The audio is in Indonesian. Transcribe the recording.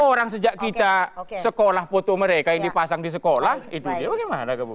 orang sejak kita sekolah foto mereka yang dipasang di sekolah itu dia bagaimana kamu